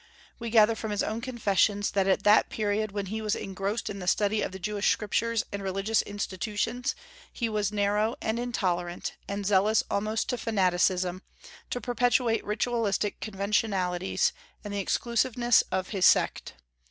We gather from his own confessions that at that period, when he was engrossed in the study of the Jewish scriptures and religious institutions, he was narrow and intolerant, and zealous almost to fanaticism to perpetuate ritualistic conventionalities and the exclusiveness of his sect.